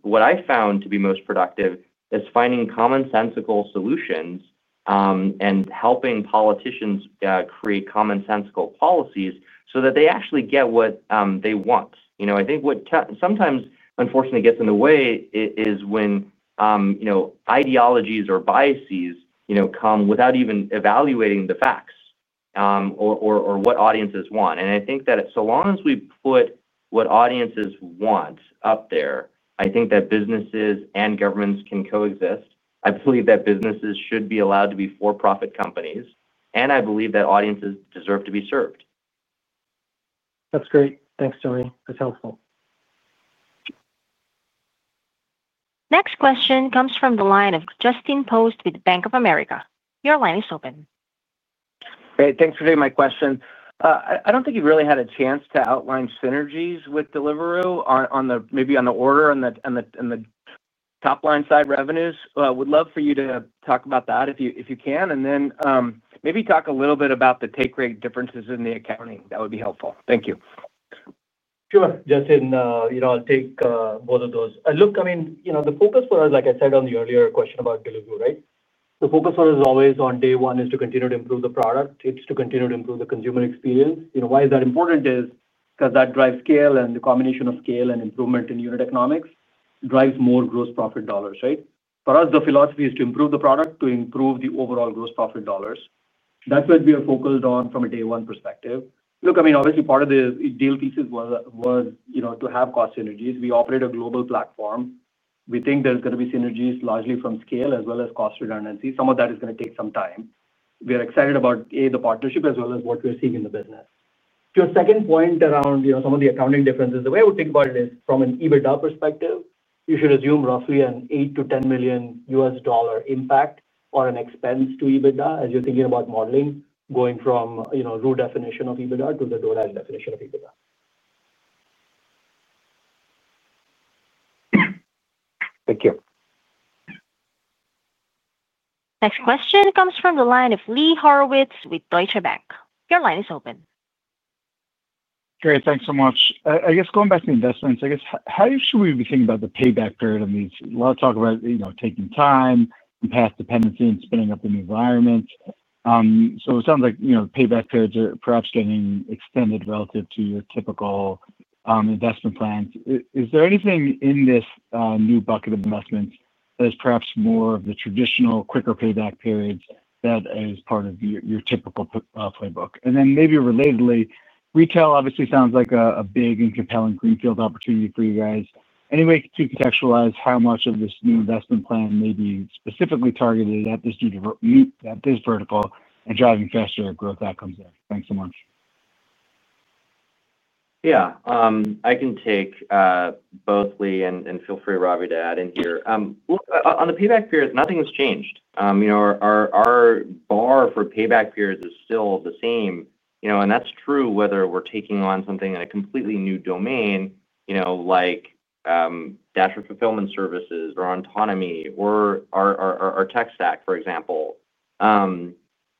What I found to be most productive is finding commonsensical solutions. Helping politicians create commonsensical policies so that they actually get what they want. I think what sometimes, unfortunately, gets in the way is when ideologies or biases come without even evaluating the facts. Or what audiences want. I think that so long as we put what audiences want up there, I think that businesses and governments can coexist. I believe that businesses should be allowed to be for-profit companies. I believe that audiences deserve to be served. That's great. Thanks, Tony. That's helpful. Next question comes from the line of Justin Post with Bank of America. Your line is open. Hey, thanks for taking my question. I don't think you've really had a chance to outline synergies with Deliveroo maybe on the order and the top-line side revenues. Would love for you to talk about that if you can. Then maybe talk a little bit about the take rate differences in the accounting. That would be helpful. Thank you. Sure. Justin, I'll take both of those. Look, I mean, the focus for us, like I said on the earlier question about Deliveroo, right? The focus for us always on day one is to continue to improve the product. It's to continue to improve the consumer experience. Why is that important? Because that drives scale, and the combination of scale and improvement in unit economics drives more gross profit dollars, right? For us, the philosophy is to improve the product to improve the overall gross profit dollars. That's what we are focused on from a day-one perspective. Look, I mean, obviously, part of the deal pieces was to have cost synergies. We operate a global platform. We think there's going to be synergies largely from scale as well as cost redundancy. Some of that is going to take some time. We are excited about, A, the partnership as well as what we're seeing in the business. To your second point around some of the accounting differences, the way I would think about it is from an EBITDA perspective, you should assume roughly an $8-10 million US dollar impact or an expense to EBITDA as you're thinking about modeling, going from rule definition of EBITDA to the DoorDash definition of EBITDA. Thank you. Next question comes from the line of Lee Horowitz with Deutsche Bank. Your line is open. Great. Thanks so much. I guess going back to investments, I guess, how should we be thinking about the payback period on these? A lot of talk about taking time and past dependency and spinning up a new environment. It sounds like payback periods are perhaps getting extended relative to your typical investment plans. Is there anything in this new bucket of investments that is perhaps more of the traditional quicker payback periods that is part of your typical playbook? Maybe relatedly, retail obviously sounds like a big and compelling greenfield opportunity for you guys. Anyway, to contextualize how much of this new investment plan may be specifically targeted at this vertical and driving faster growth outcomes there. Thanks so much. Yeah. I can take both, Lee, and feel free, Ravi, to add in here. Look, on the payback periods, nothing has changed. Our bar for payback periods is still the same. That's true whether we're taking on something in a completely new domain, like Dasher fulfillment services or autonomy or our tech stack, for example.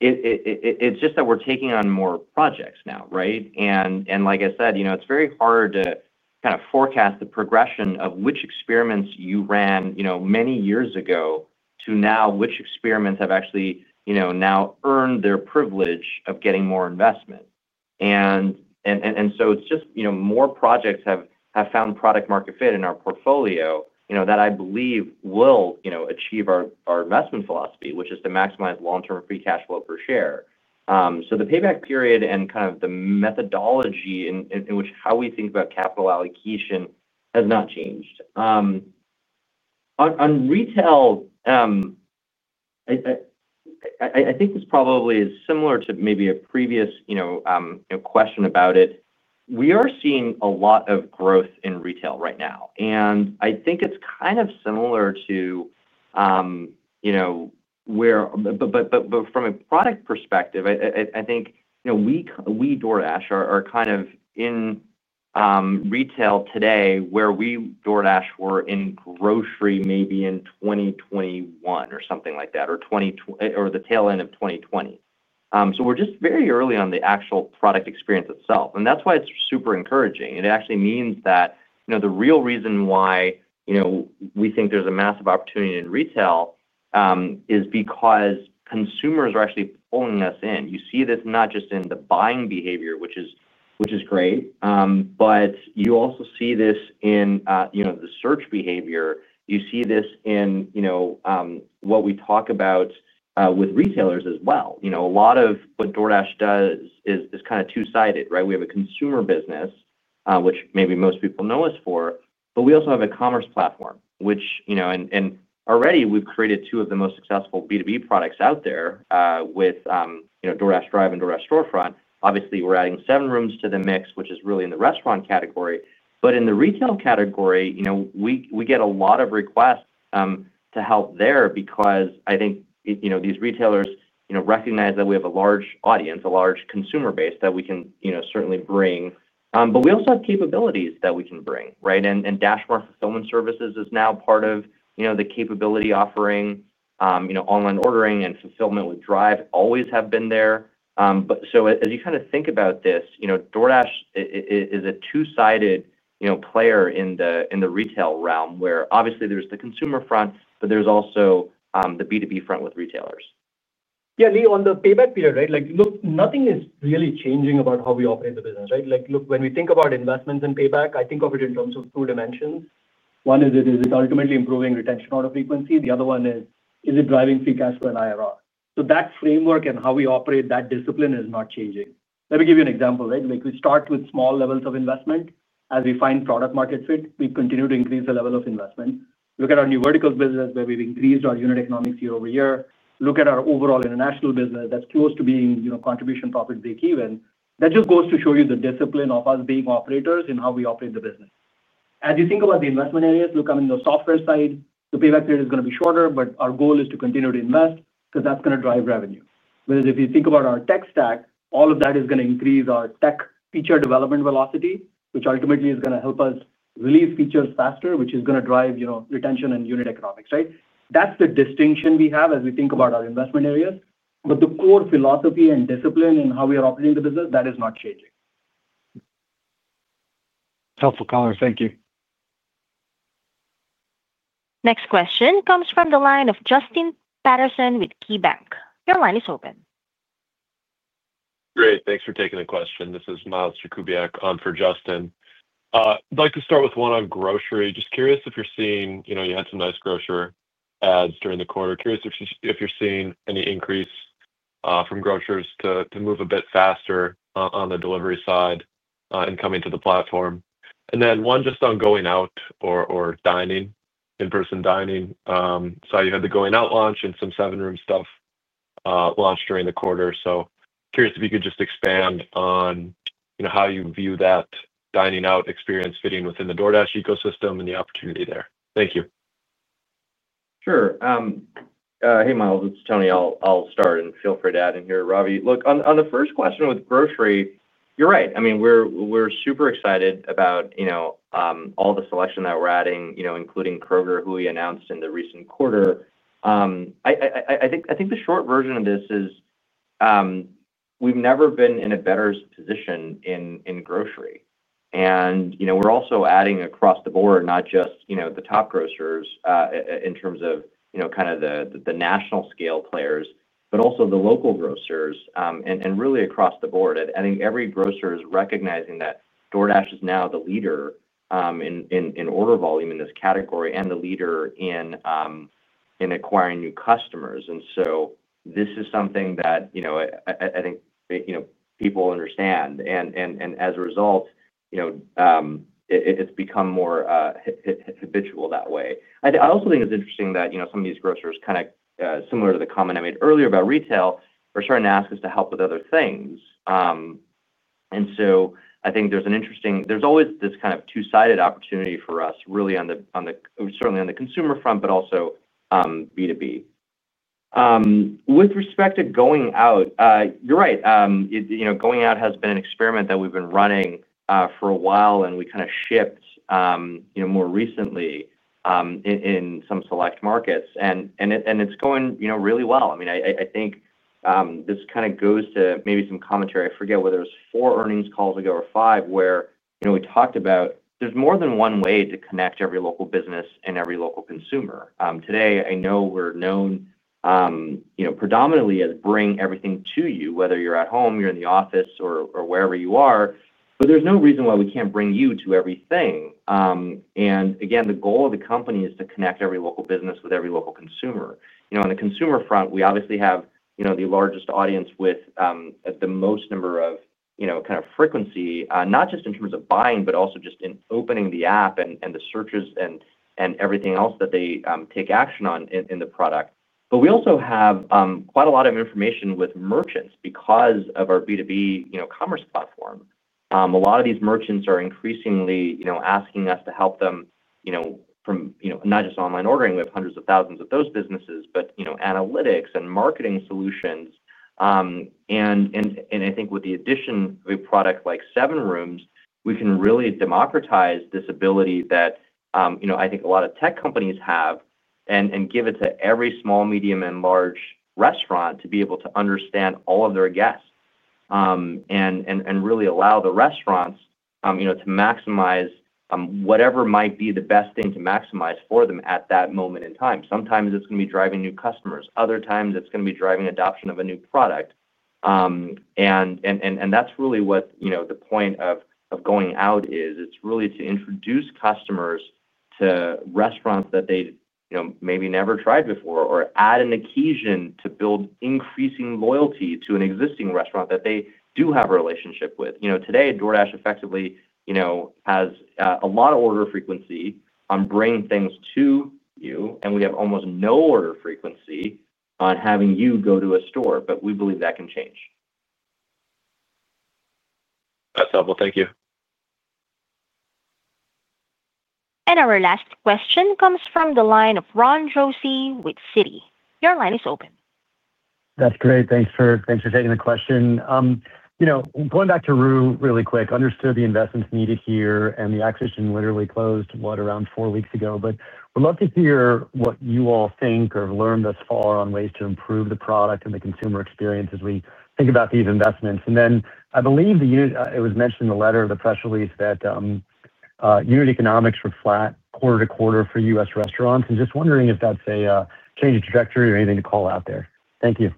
It's just that we're taking on more projects now, right? Like I said, it's very hard to kind of forecast the progression of which experiments you ran many years ago to now which experiments have actually now earned their privilege of getting more investment. It's just more projects have found product-market fit in our portfolio that I believe will achieve our investment philosophy, which is to maximize long-term free cash flow per share. The payback period and kind of the methodology in which how we think about capital allocation has not changed. On retail, I think this probably is similar to maybe a previous question about it. We are seeing a lot of growth in retail right now. I think it's kind of similar to where, but from a product perspective, I think we DoorDash are kind of in retail today where we DoorDash were in grocery maybe in 2021 or something like that, or the tail end of 2020. We are just very early on the actual product experience itself, and that's why it's super encouraging. It actually means that the real reason why we think there's a massive opportunity in retail is because consumers are actually pulling us in. You see this not just in the buying behavior, which is great, but you also see this in the search behavior. You see this in what we talk about with retailers as well. A lot of what DoorDash does is kind of two-sided, right? We have a consumer business, which maybe most people know us for, but we also have a commerce platform. And already we've created two of the most successful B2B products out there with DoorDash Drive and DoorDash Storefront. Obviously, we're adding Seven Rooms to the mix, which is really in the restaurant category. In the retail category, we get a lot of requests to help there because I think these retailers recognize that we have a large audience, a large consumer base that we can certainly bring. We also have capabilities that we can bring, right? DashMart fulfillment services is now part of the capability offering. Online ordering and fulfillment with Drive always have been there. As you kind of think about this, DoorDash is a two-sided player in the retail realm where obviously there is the consumer front, but there is also the B2B front with retailers. Yeah, Lee, on the payback period, right? Look, nothing is really changing about how we operate the business, right? Look, when we think about investments and payback, I think of it in terms of two dimensions. One is, is it ultimately improving retention order frequency? The other one is, is it driving free cash flow and IRR? That framework and how we operate that discipline is not changing. Let me give you an example, right? We start with small levels of investment. As we find product-market fit, we continue to increase the level of investment. Look at our new vertical business where we have increased our unit economics year over year. Look at our overall international business that is close to being contribution profit break-even. That just goes to show you the discipline of us being operators in how we operate the business. As you think about the investment areas, look on the software side, the payback period is going to be shorter, but our goal is to continue to invest because that's going to drive revenue. Whereas if you think about our tech stack, all of that is going to increase our tech feature development velocity, which ultimately is going to help us release features faster, which is going to drive retention and unit economics, right? That's the distinction we have as we think about our investment areas. The core philosophy and discipline in how we are operating the business, that is not changing. Helpful, Connor. Thank you. Next question comes from the line of Justin Patterson with KeyBank. Your line is open. Great. Thanks for taking the question. This is Miles Jakubiak on for Justin. I'd like to start with one on grocery. Just curious if you're seeing you had some nice grocer ads during the quarter. Curious if you're seeing any increase from grocers to move a bit faster on the delivery side and coming to the platform. And then one just on going out or dining, in-person dining. You had the Going Out launch and some Seven Rooms stuff launched during the quarter. Curious if you could just expand on how you view that dining out experience fitting within the DoorDash ecosystem and the opportunity there. Thank you. Sure. Hey, Miles, it's Tony. I'll start and feel free to add in here, Ravi. Look, on the first question with grocery, you're right. I mean, we're super excited about all the selection that we're adding, including Kroger, who we announced in the recent quarter. I think the short version of this is we've never been in a better position in grocery. And we're also adding across the board, not just the top grocers in terms of kind of the national scale players, but also the local grocers and really across the board. I think every grocer is recognizing that DoorDash is now the leader in order volume in this category and the leader in acquiring new customers. And this is something that I think people understand. As a result, it's become more habitual that way. I also think it's interesting that some of these grocers, kind of similar to the comment I made earlier about retail, are starting to ask us to help with other things. I think there's an interesting—there's always this kind of two-sided opportunity for us, really, certainly on the consumer front, but also B2B. With respect to going out, you're right. Going out has been an experiment that we've been running for a while, and we kind of shipped more recently in some select markets. It's going really well. I mean, I think this kind of goes to maybe some commentary. I forget whether it was four earnings calls ago or five where we talked about there's more than one way to connect every local business and every local consumer. Today, I know we're known. Predominantly as bring everything to you, whether you're at home, you're in the office, or wherever you are. There is no reason why we can't bring you to everything. The goal of the company is to connect every local business with every local consumer. On the consumer front, we obviously have the largest audience with the most number of kind of frequency, not just in terms of buying, but also just in opening the app and the searches and everything else that they take action on in the product. We also have quite a lot of information with merchants because of our B2B commerce platform. A lot of these merchants are increasingly asking us to help them, from not just online ordering. We have hundreds of thousands of those businesses, but analytics and marketing solutions. I think with the addition of a product like Seven Rooms, we can really democratize this ability that I think a lot of tech companies have and give it to every small, medium, and large restaurant to be able to understand all of their guests. It really allows the restaurants to maximize whatever might be the best thing to maximize for them at that moment in time. Sometimes it's going to be driving new customers. Other times, it's going to be driving adoption of a new product. That's really what the point of Going Out is. It's really to introduce customers to restaurants that they maybe never tried before or add an occasion to build increasing loyalty to an existing restaurant that they do have a relationship with. Today, DoorDash effectively. Has a lot of order frequency on bringing things to you, and we have almost no order frequency on having you go to a store. We believe that can change. That's helpful. Thank you. Our last question comes from the line of Ron Josey with Citi. Your line is open. That's great. Thanks for taking the question. Going back to Rue really quick, understood the investments needed here, and the acquisition literally closed what, around four weeks ago. Would love to hear what you all think or have learned thus far on ways to improve the product and the consumer experience as we think about these investments. I believe it was mentioned in the letter, the press release, that unit economics were flat quarter to quarter for U.S. restaurants. Just wondering if that's a change of trajectory or anything to call out there. Thank you.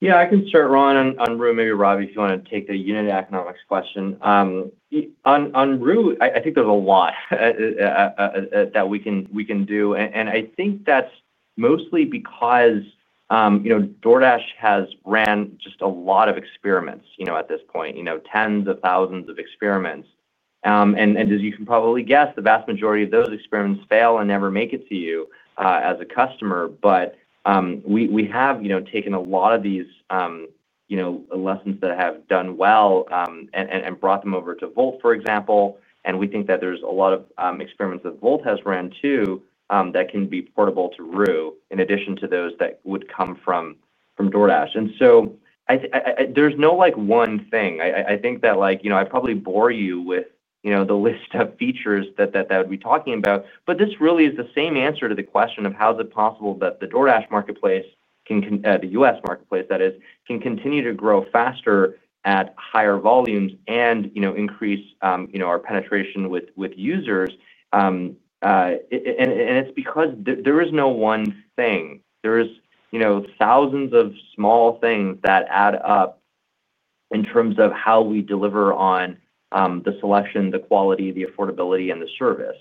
Yeah, I can start, Ron. On Rue, maybe Ravi, if you want to take the unit economics question. On Rue, I think there's a lot that we can do. I think that's mostly because DoorDash has ran just a lot of experiments at this point, tens of thousands of experiments. As you can probably guess, the vast majority of those experiments fail and never make it to you as a customer. We have taken a lot of these lessons that have done well and brought them over to Wolt, for example. We think that there's a lot of experiments that Wolt has ran too that can be portable to Rue in addition to those that would come from DoorDash. There's no one thing. I think that I would probably bore you with the list of features that I would be talking about. This really is the same answer to the question of how is it possible that the DoorDash marketplace, the U.S. marketplace, that is, can continue to grow faster at higher volumes and increase our penetration with users. It is because there is no one thing. There are thousands of small things that add up. In terms of how we deliver on the selection, the quality, the affordability, and the service.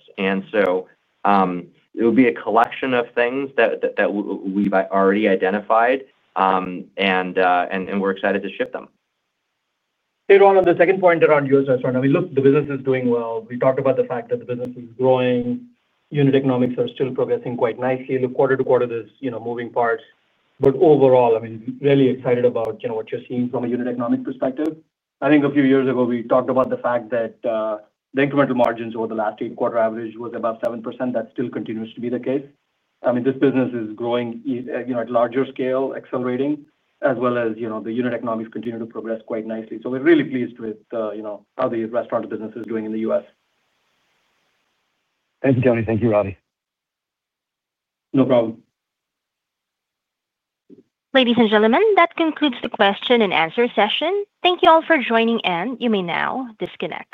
It would be a collection of things that we have already identified, and we are excited to ship them. Hey, Ron, on the second point around U.S. restaurant, I mean, look, the business is doing well. We talked about the fact that the business is growing. Unit economics are still progressing quite nicely. Look, quarter to quarter, there's moving parts. Overall, I mean, really excited about what you're seeing from a unit economic perspective. I think a few years ago, we talked about the fact that the incremental margins over the last eight-quarter average was about 7%. That still continues to be the case. I mean, this business is growing at larger scale, accelerating, as well as the unit economics continue to progress quite nicely. We are really pleased with how the restaurant business is doing in the U.S. Thank you, Tony. Thank you, Ravi. No problem. Ladies and gentlemen, that concludes the question and answer session. Thank you all for joining in. You may now disconnect.